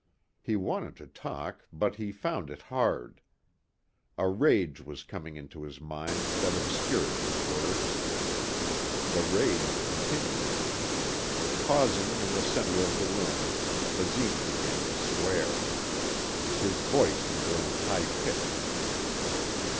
He wanted to talk but he found it hard. A rage was coming into his mind that obscured his words. The rage continued. Pausing in the center of the room Basine began to swear. His voice had grown high pitched.